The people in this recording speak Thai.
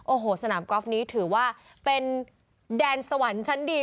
โอ้โหสนามกอล์ฟนี้ถือว่าเป็นแดนสวรรค์ชั้นดี